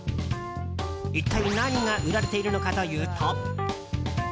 一体何が売られているのかというと。